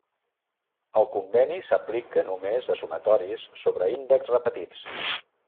El conveni s'aplica només a sumatoris sobre índexs repetits.